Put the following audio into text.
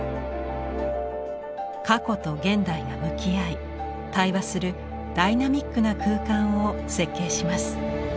「過去」と「現代」が向き合い対話するダイナミックな空間を設計します。